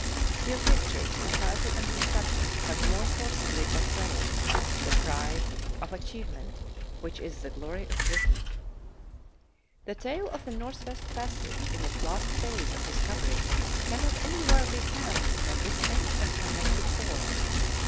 Few pictures, in title and in subject, have more forcibly portrayed that pride of achieve ment which is the glory of Britain. The tale of the northwest passage in its last phase of discovery cannot anywhere be found in a distinct and connected form.